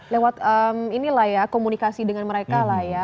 lewat komunikasi dengan mereka lah ya